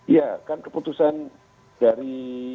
iya kan keputusan dari